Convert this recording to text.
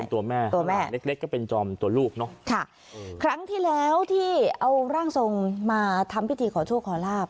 ตัวแม่ตัวแม่เล็กเล็กก็เป็นจอมตัวลูกเนอะค่ะครั้งที่แล้วที่เอาร่างทรงมาทำพิธีขอโชคขอลาบ